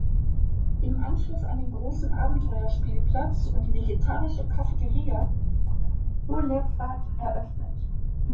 Im Anschluss an den großen Abenteuerspielplatz und die vegetarische Cafeteria wurde ein Naturlehrpfad eröffnet.